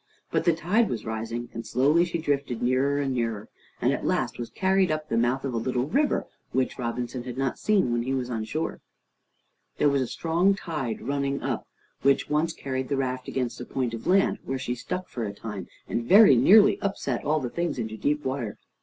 But the tide was rising, and slowly she drifted nearer and nearer, and at last was carried up the mouth of a little river which Robinson had not seen when he was on shore. There was a strong tide running up, which once carried the raft against a point of land, where she stuck for a time, and very nearly upset all the things into deep water.